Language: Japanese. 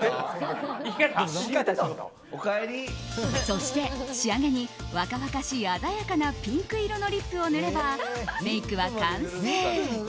そして仕上げに若々しい鮮やかなピンク色のリップを塗ればメイクは完成。